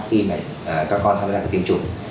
khi mà các con tham gia cái tiêm chủng